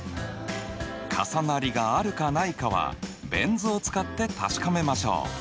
重なりがあるかないかはベン図を使って確かめましょう！